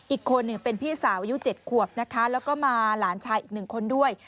อีกคนหนึ่งเป็นพี่สาวอายุ๗ขวบนะคะแล้วก็มาหลานชายอีก๑คนด้วย